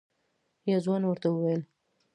یو ځوان ورته وویل: